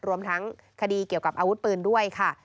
รวมทั้งคดีเกี่ยวกับอาวุธปืนด้วยค่ะ